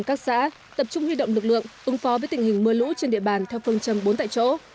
các xã tập trung huy động lực lượng ứng phó với tình hình mưa lũ trên địa bàn theo phương châm bốn tại chỗ